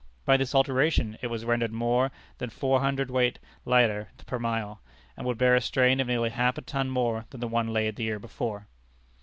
By this alteration it was rendered more than four hundred weight lighter per mile, and would bear a strain of nearly half a ton more than the one laid the year before.